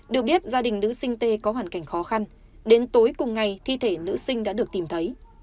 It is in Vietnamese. được biết gia đình nữ sinh tê có hoàn cảnh khó khăn đến tối cùng ngày thi thể nữ sinh đã được tìm thấy